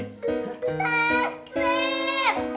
ada apa cepi